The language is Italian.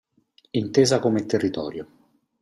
Intesa come territorio.